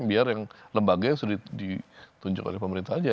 biar yang lembaganya sudah ditunjuk oleh pemerintah aja